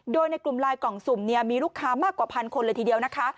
โดยในกลุ่มไลน์กล่องสุ่มเนี่ยมีลูกค้ามากกว่าพันคนเลยทีเดียวนะคะ